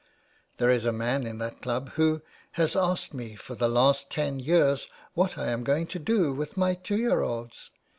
There is a man in that club who has asked me for the last ten years what I am going to do with my two year olds.